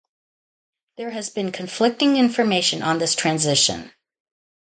There has been conflicting information on this transition.